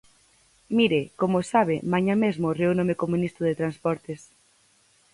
Mire, como sabe, mañá mesmo reúnome co ministro de Transportes.